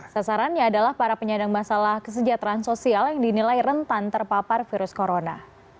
sasarannya adalah para penyandang masalah kesejahteraan sosial yang dinilai rentan terpapar virus corona